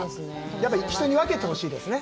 やっぱり人に分けてほしいですね。